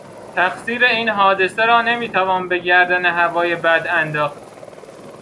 تقصیر این حادثه را نمیتوان به گردن هوای بد انداخت.